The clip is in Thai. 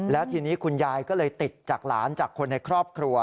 แล้วทีนี้คุณยายก็เลยติดจากหลานจากคนในครอบครัว